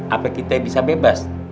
apa kita bisa bebas